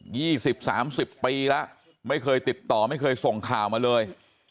๒๐๓๐ปีแล้วไม่เคยติดต่อไม่เคยส่งข่าวมาเลย